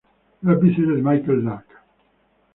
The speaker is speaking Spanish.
Lápices de Michael Lark.